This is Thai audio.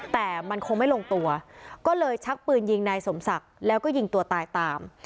แต่มันคงไม่ลงตัวก็เลยชักปืนยิงนายสมศักดิ์แล้วก็ยิงตัวตายตาม